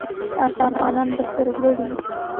افغانان به سرلوړي وي.